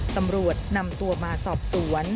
ตำรวจนำตัวมาสอบสวน